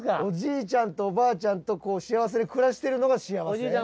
おじいちゃんとおばあちゃんと幸せに暮らしてるのが幸せ？